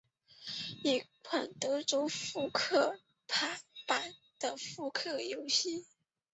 一款德州扑克版的扑克游戏。